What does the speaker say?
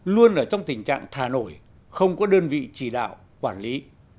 luôn ở trong tình trạng thà nổi không có đơn vị chỉ đạo quản lý